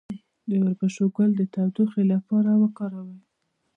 د وربشو ګل د تودوخې لپاره وکاروئ